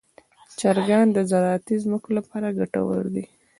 چرګان د زراعتي ځمکو لپاره ګټور دي.